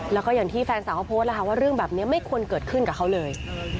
แล้วก็อย่างที่แฟนสาวเขาโพสต์แล้วค่ะว่าเรื่องแบบนี้ไม่ควรเกิดขึ้นกับเขาเลย